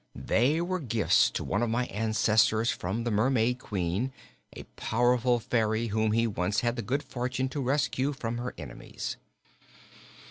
They were gifts to one of my ancestors from the Mermaid Queen, a powerful fairy whom he once had the good fortune to rescue from her enemies.